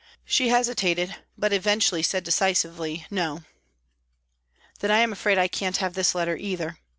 She hesitated, but eventually said decisively, " No." " Then I am afraid I can't have this letter either."